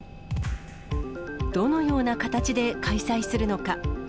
どのような形で開催するのか。